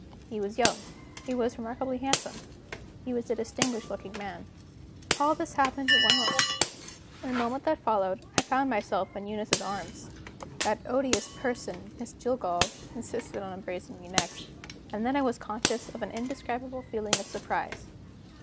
He was young, he was remarkably handsome, he was a distinguished looking man. All this happened in one moment. In the moment that followed, I found myself in Eunice's arms. That odious person, Miss Jillgall, insisted on embracing me next. And then I was conscious of an indescribable feeling of surprise.